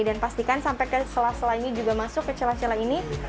dan pastikan sampai ke sela sela ini juga masuk ke celah celah ini